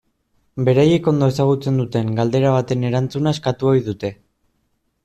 Beraiek ondo ezagutzen duten galdera baten erantzuna eskatu ohi dute.